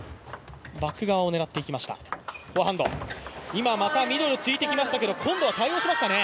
今、またミドルついてきましたけど、今度は対応しましたね。